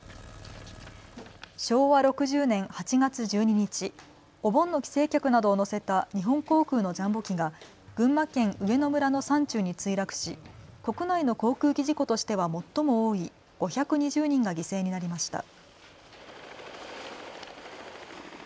昭和６０年８月１２日、お盆の帰省客などを乗せた日本航空のジャンボ機が群馬県上野村の山中に墜落し国内の航空機事故としては最も多い５２０人が犠牲になりました。